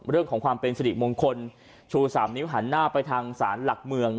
เรื่องของความเป็นสิริมงคลชู๓นิ้วหันหน้าไปทางศาลหลักเมือง